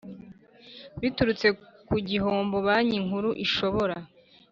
biturutse ku gihombo Banki Nkuru ishobora